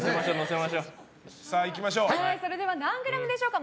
それでは何グラムでしょうか。